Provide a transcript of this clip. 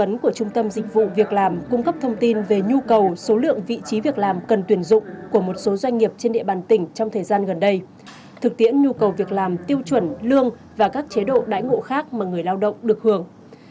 những vụ việc làm cung cấp thông tin về nhu cầu số lượng vị trí việc làm cần tuyển dụng của một số doanh nghiệp trên địa bàn tỉnh trong thời gian gần đây thực tiễn nhu cầu việc làm tiêu chuẩn lương và các chế độ đãi ngộ khác mà người lao động được hưởng